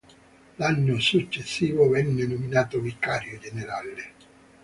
L'anno successivo venne nominato vicario generale.